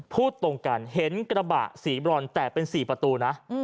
พูดตรงกันเห็นกระบะสีบรอนแตกเป็น๔ประตูนะ